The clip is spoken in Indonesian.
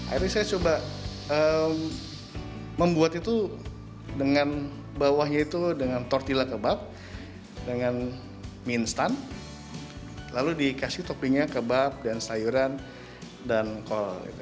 akhirnya saya coba membuat itu dengan bawahnya itu dengan tortilla kebab dengan mie instan lalu dikasih toppingnya kebab dan sayuran dan kol